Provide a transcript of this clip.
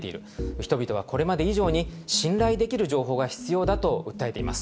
人々はこれまで以上に信頼できる情報が必要だと訴えています。